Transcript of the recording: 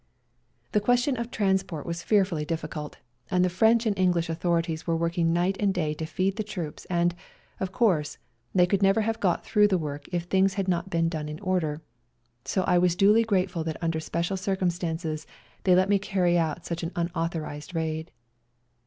The question of transport was fearfully difficult, and the French and English authorities were working night and day to feed the troops, and, of course, they could never have got through the work if things had not been done in order ; so I was duly grateful that under the special circum stances they let me carry out such an unauthorised raid.